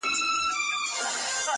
• او يوازې پاتې کيږي هره ورځ..